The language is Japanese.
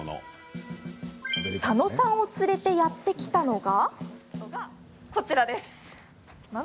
佐野さんを連れてやって来たのが。